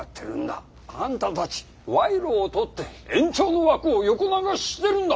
あんたたち賄賂を取って延長の枠を横流ししてるんだ！